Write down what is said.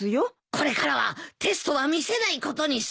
これからはテストは見せないことにする。